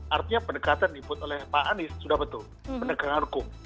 artinya pendekatan yang dibut oleh pak anies sudah betul pendekatan hukum